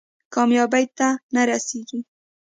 کامیابۍ ته نه رسېږي.